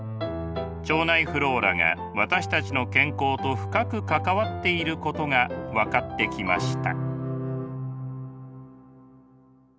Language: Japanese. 腸内フローラが私たちの健康と深く関わっていることが分かってきました。